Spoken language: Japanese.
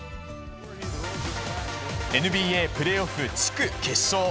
ＮＢＡプレーオフ地区決勝。